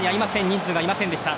人数がいませんでした。